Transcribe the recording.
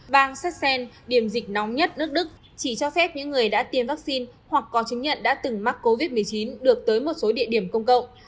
bang sassen điểm dịch nóng nhất nước đức chỉ cho phép những người đã tiêm vaccine hoặc có chứng nhận đã từng mắc covid một mươi chín được tới một số địa điểm công cộng